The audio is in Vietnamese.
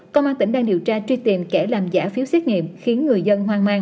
công an tỉnh đang điều tra truy tìm kẻ làm giả phiếu xét nghiệm khiến người dân hoang mang